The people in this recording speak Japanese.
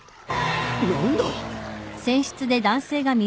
何だ！？